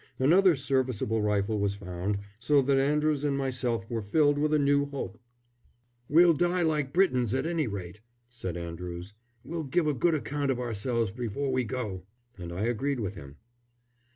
Another serviceable rifle was found, so that Andrews and myself were filled with a new hope. "We'll die like Britons, at any rate!" said Andrews. "We'll give a good account of ourselves before we go!" And I agreed with him.